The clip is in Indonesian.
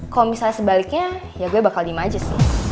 kalo misalnya sebaliknya ya gue bakal dimajes